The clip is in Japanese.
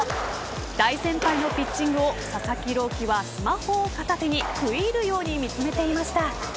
大先輩のピッチングを佐々木朗希はスマホを片手に食い入るように見つめていました。